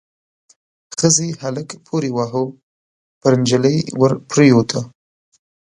ښځې هلک پوري واهه، پر نجلۍ ور پريوته.